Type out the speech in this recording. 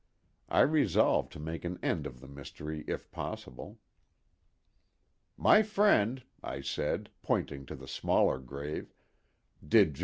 I resolved to make an end of the mystery if possible. "My friend," I said, pointing to the smaller grave, "did Jo.